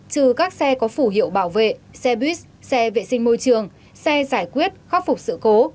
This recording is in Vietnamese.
trừ các xe có phủ hiệu bảo vệ xe buýt xe vệ sinh môi trường xe giải quyết khắc phục sự cố